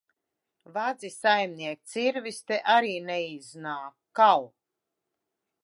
Vadzi, saimniek, cirvis te ar? neizn?k, kal